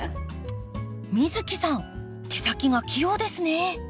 美月さん手先が器用ですね。